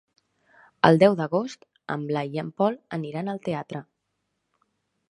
El deu d'agost en Blai i en Pol aniran al teatre.